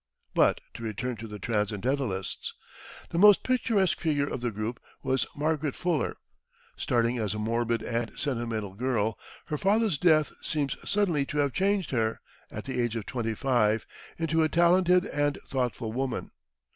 But to return to the Transcendentalists. The most picturesque figure of the group was Margaret Fuller. Starting as a morbid and sentimental girl, her father's death seems suddenly to have changed her, at the age of twenty five, into a talented and thoughtful woman.